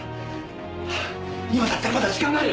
今だったらまだ時間がある。